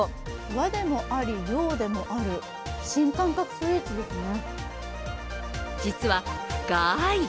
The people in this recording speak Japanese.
和でもあり洋でもある新感覚スイーツですね。